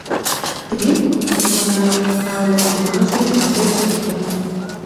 Зигу къызэфӀэна анэ гумащӀэм бгъэдэтщ Софят.